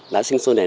đã sinh xuân này